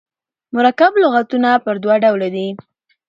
مرکب لغاتونه پر دوه ډوله دي.